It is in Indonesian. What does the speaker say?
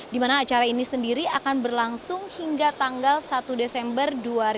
dimana acara ini sendiri akan berlangsung hingga tanggal satu desember dua ribu sembilan belas